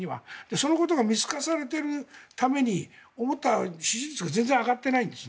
そのことが見透かされているために思ったより支持率が全然上がってないんです。